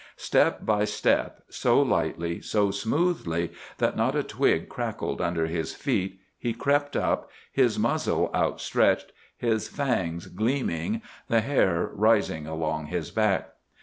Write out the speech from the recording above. Step by step, so lightly, so smoothly, that not a twig crackled under his feet, he crept up, his muzzle outstretched, his fangs gleaming, the hair rising along his back.